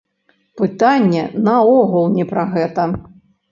Пытанне наогул не пра гэта!